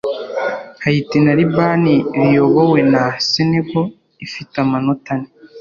Haiti na Liban riyobowe na Senegal ifite amanota ane